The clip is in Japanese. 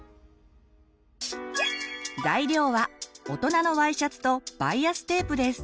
材料は大人のＹシャツとバイアステープです。